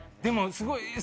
でもすごい。